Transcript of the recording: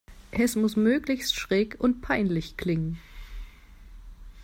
Es muss möglichst schräg und peinlich klingen.